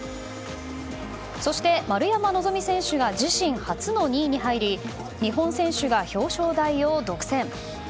そして丸山希選手が自身初の２位に入り日本選手が表彰台を独占。